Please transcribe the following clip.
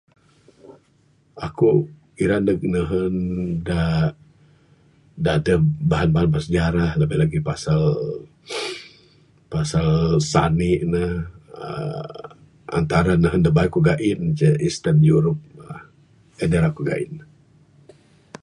Aku ira neg nehen da...da adeh bahan-bahan bersejarah labih-labih lagik pasal...pasal sanik ne uhh antara nehen da bayuh ku gain ceh Eastern Europe...en da ira ku gain.